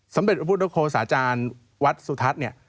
สมเด็จพระพุทธโคสาจารย์วัดสุทัศน์